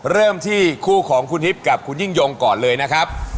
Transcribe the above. เริ่มที่คู่ของคุณฮิปกับคุณยิ่งยงก่อนเลยนะครับ